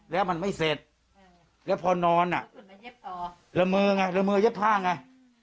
แล้วมันไม่เสร็จแล้วพอนอนอ่ะแล้วมือเย็บผ้าไง